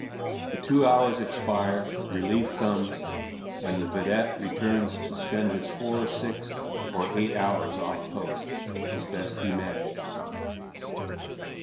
The two hours expire, relief comes, and the vedette returns to spend his four, six, or eight hours off post, as best he may.